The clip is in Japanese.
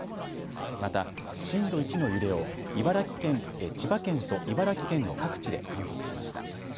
また震度１の揺れを千葉県と茨城県の各地で観測しました。